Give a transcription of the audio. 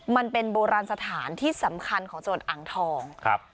มันเป็นโบราณสถานที่สำคัญของจังหวัดอ่างทองครับ